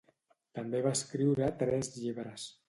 També va escriure tres llibres.